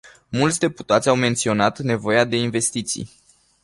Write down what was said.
Mulți deputați au menționat nevoia de investiții.